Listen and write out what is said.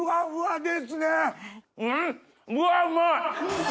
うわうまい！